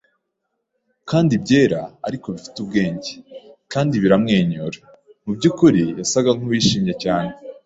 kandi byera, ariko bifite ubwenge kandi biramwenyura. Mubyukuri, yasaga nkuwishimye cyane